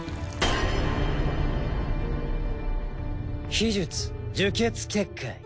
秘術樹血結界。